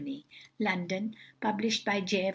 LONDON. Published by J.